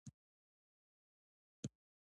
تورم د اسعارو کمښت سره تړاو لري.